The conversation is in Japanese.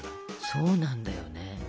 そうなんだよね。